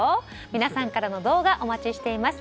皆さんからの動画お待ちしています。